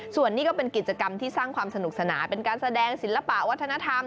ส่วนนี้ก็เป็นกิจกรรมที่สร้างความสนุกสนานเป็นการแสดงศิลปะวัฒนธรรม